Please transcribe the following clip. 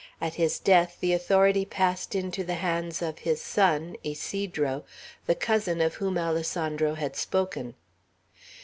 At his death the authority passed into the hands of his son, Ysidro, the cousin of whom Alessandro had spoken.